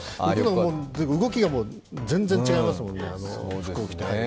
大変でした、動きが全然違いますもんね。